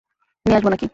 নিয়ে আসবো নাকি?